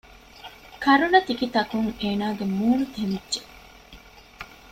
ކަރުނަތިކިތަކުން އޭނާގެ މޫނު ތެމިއްޖެ